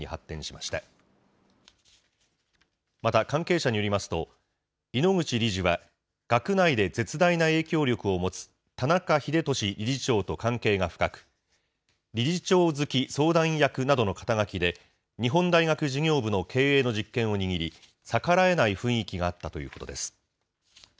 また関係者によりますと、井ノ口理事は、学内で絶大な影響力を持つ田中英壽理事長と関係が深く、理事長付相談役などの肩書で、日本大学事業部の経営の実権を握り、逆らえない雰囲気があったということです。